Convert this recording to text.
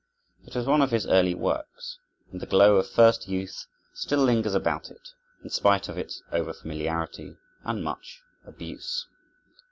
It was one of his early works, and the glow of first youth still lingers about it, in spite of its over familiarity and much abuse.